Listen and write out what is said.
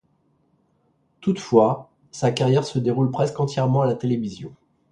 Toutefois, sa carrière se déroule presque entièrement à la télévision.